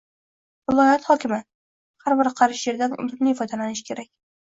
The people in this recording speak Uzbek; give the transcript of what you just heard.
Viloyat hokimi: "Har bir qarich yerdan unumli foydalanish kerak"